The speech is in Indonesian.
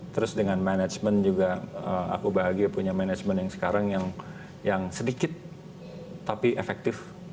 terus dengan manajemen juga aku bahagia punya manajemen yang sekarang yang sedikit tapi efektif